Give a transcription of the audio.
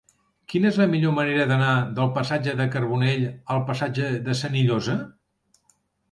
Quina és la millor manera d'anar del passatge de Carbonell al passatge de Senillosa?